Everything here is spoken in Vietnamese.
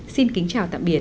xin kính chào tạm biệt